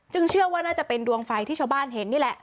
เชื่อว่าน่าจะเป็นดวงไฟที่ชาวบ้านเห็นนี่แหละ